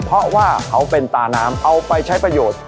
เพราะว่าเขาเป็นตาน้ำเอาไปใช้ประโยชน์